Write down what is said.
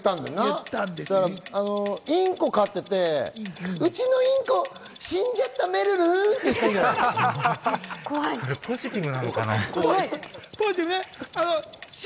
インコ飼ってて、うちのインコ、死んじゃっためるるって言ったんじゃない？